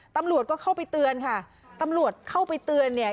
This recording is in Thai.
ตำรวจก็เข้าไปเตือนค่ะตำรวจเข้าไปเตือนเนี่ย